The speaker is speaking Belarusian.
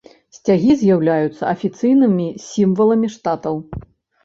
Сцягі з'яўляюцца афіцыйнымі сімваламі штатаў.